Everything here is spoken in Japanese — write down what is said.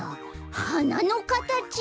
はなのかたち！？